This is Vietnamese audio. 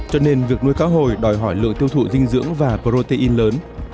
cho nên việc nuôi cá hồi đòi hỏi lượng tiêu thụ dinh dưỡng và protein lớn